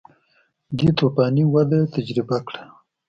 دې توفاني وده یې تجربه کړه